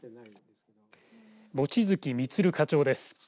望月満課長です。